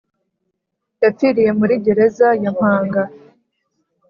Yapfiriye murigereza yampanga